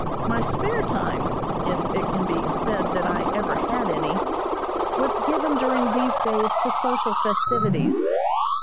My spare time, if it can be said that I ever had any, was given during these days to social festivities.